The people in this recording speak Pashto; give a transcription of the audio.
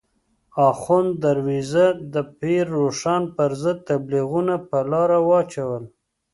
اخوند درویزه د پیر روښان پر ضد تبلیغونه په لاره واچول.